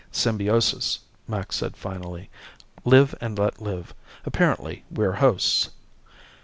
"Symbiosis," Max said finally. "Live and let live. Apparently we're hosts."